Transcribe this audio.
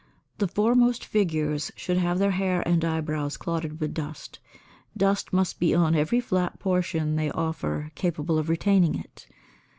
The foremost figures should have their hair and eyebrows clotted with dust; dust must be on every flat portion they offer capable of retaining it.